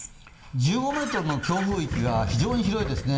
１５メートルの強風域が非常に広いですね。